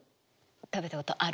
食べたことある。